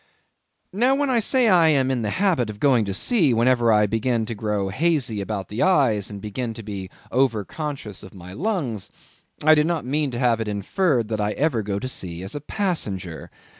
Now, when I say that I am in the habit of going to sea whenever I begin to grow hazy about the eyes, and begin to be over conscious of my lungs, I do not mean to have it inferred that I ever go to sea as a passenger.